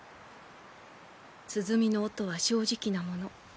鼓の音は正直なもの。